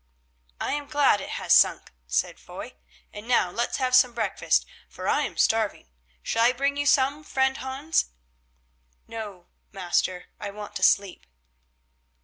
"I am glad it has sunk," said Foy; "and now let's have some breakfast, for I am starving. Shall I bring you some, friend Hans?" "No, master, I want to sleep."